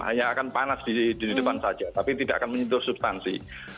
hanya akan panas di depan saja tapi tidak akan menyentuh substansi